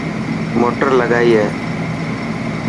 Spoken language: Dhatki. موٽر لگائي اي.